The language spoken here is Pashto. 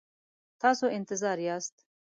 تاسو انتظار یاست؟